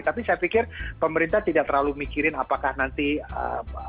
tapi saya pikir pemerintah tidak terlalu mikirin apakah nanti peminatnya akan berhasil